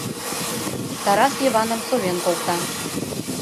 Тарас Йываным совен колта.